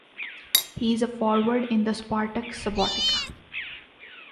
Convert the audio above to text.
He’s a forward in the Spartak Subotica.